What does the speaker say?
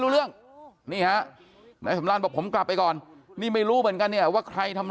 รู้เรื่องนี่ฮะนายสำรานบอกผมกลับไปก่อนนี่ไม่รู้เหมือนกันเนี่ยว่าใครทำ